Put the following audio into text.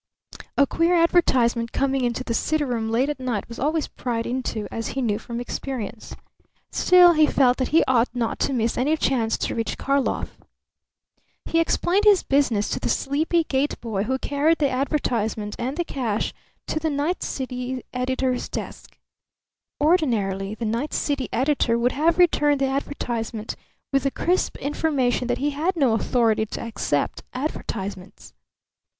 A queer advertisement coming into the city room late at night was always pried into, as he knew from experience. Still, he felt that he ought not to miss any chance to reach Karlov. He explained his business to the sleepy gate boy, who carried the advertisement and the cash to the night city editor's desk. Ordinarily the night city editor would have returned the advertisement with the crisp information that he had no authority to accept advertisements.